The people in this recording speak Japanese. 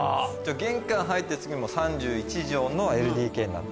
玄関入ってすぐに３１帖のＬＤＫになって。